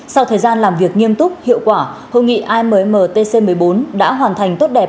sau thời gian làm việc nghiêm túc hiệu quả hội nghị ammtc một mươi bốn đã hoàn thành tốt đẹp